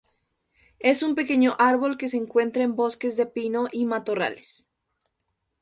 Es un pequeño árbol que se encuentra en bosques de pino y matorrales.